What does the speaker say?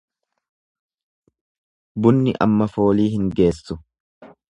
Bunni amma foolii hin geessu.